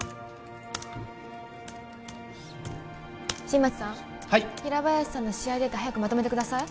新町さんはい平林さんの試合データ早くまとめてください